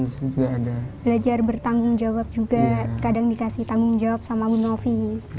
belajar bertanggung jawab juga kadang dikasih tanggung jawab sama ibu novi